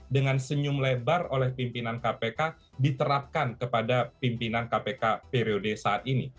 dengan senyum lebar oleh pimpinan kpk diterapkan kepada pimpinan kpk periode saat ini